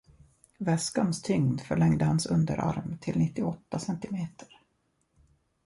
Väskans tyngd förlängde hans underarm till nittioåtta centimeter